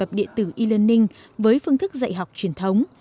đào tạo bằng hình thức e learning với phương thức dạy học truyền thống